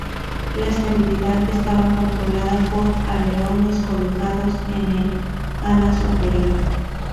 La estabilidad estaba controlada por alerones colocados en el ala superior.